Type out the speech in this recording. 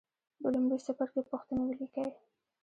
د لومړي څپرکي پوښتنې ولیکئ.